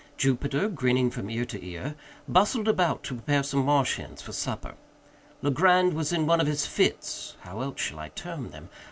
Jupiter, grinning from ear to ear, bustled about to prepare some marsh hens for supper. Legrand was in one of his fits—how else shall I term them?